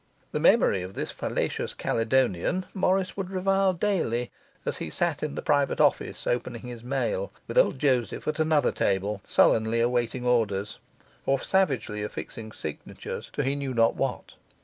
The memory of this fallacious Caledonian Morris would revile daily, as he sat in the private office opening his mail, with old Joseph at another table, sullenly awaiting orders, or savagely affixing signatures to he knew not what.